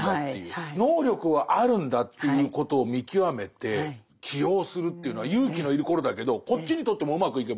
能力はあるんだっていうことを見極めて起用するというのは勇気の要ることだけどこっちにとってもうまくいけば。